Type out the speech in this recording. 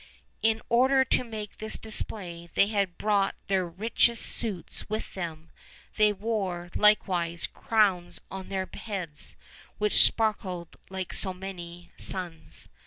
In order to make this display, they had brought their rich ' est suits with them; they wore, likewise, crowns on their' heads, which sparkled like so many suns.